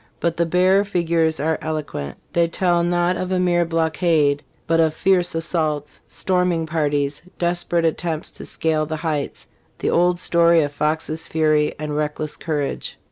f "But the bare figures are eloquent; they tell not of a mere blockade, but of fierce assaults, storming parties, desperate attempts to scale the heights the old story of Foxes' fury and reckless courage."